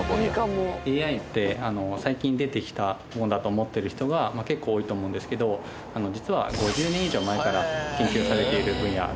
ＡＩって最近出てきたものだと思っている人が結構多いと思うんですけど実は５０年以上前から研究されている分野なんですね。